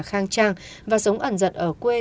khang trang và sống ẩn giật ở quê